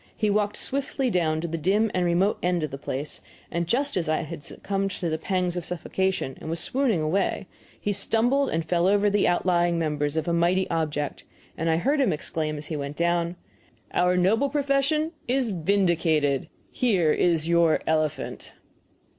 He walked swiftly down to the dim remote end of the place, and just as I succumbed to the pangs of suffocation and was swooning away he stumbled and fell over the outlying members of a mighty object, and I heard him exclaim as he went down: "Our noble profession is vindicated. Here is your elephant!"